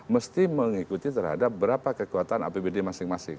mesti mengikuti terhadap berapa kekuatan apbd masing masing